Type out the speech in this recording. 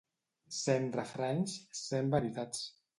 Cent refranys, cent veritats.